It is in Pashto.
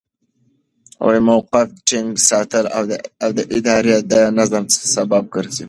د موقف ټینګ ساتل د ادارې د نظم سبب ګرځي.